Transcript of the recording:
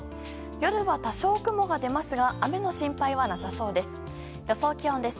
夜は多少雲が出ますが雨の心配はなさそうです。